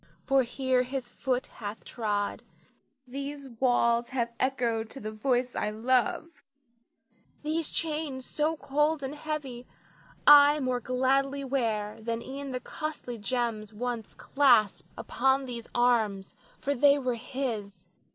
For here his foot hath trod; these walls have echoed to the voice I love; these chains so cold and heavy I more gladly wear than e'en the costly gems once clasped upon these arms, for they were his.